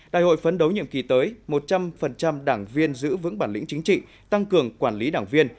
đại hội phấn đấu nhiệm kỳ tới một trăm linh đảng viên giữ vững bản lĩnh chính trị tăng cường quản lý đảng viên